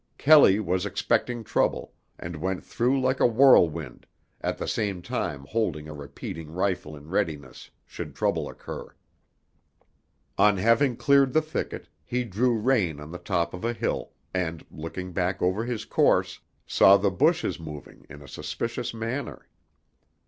Kelley was expecting trouble, and went through like a whirlwind, at the same time holding a repeating rifle in readiness should trouble occur. On having cleared the thicket, he drew rein on the top of a hill, and, looking back over his course, saw the bushes moving in a suspicious manner.